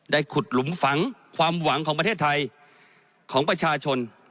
ขุดหลุมฝังความหวังของประเทศไทยของประชาชน